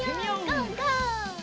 ゴーゴー！